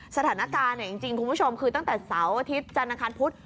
สถานการณ์จริงคุณผู้ชมคือตั้งแต่เสาร์อาทิตย์จันทร์อาคารพุธ